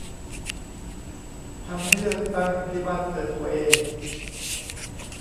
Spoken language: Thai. ทำให้เลือกตั้งที่บ้านเกิดตัวเอง